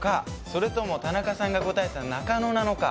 それとも田中さんが答えた中野なのか？